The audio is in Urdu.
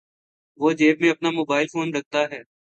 وہ جیب میں اپنا موبائل فون رکھتا ہے۔